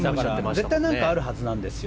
絶対に何かあるはずなんですよ。